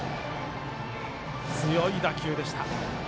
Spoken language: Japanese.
強い打球でした。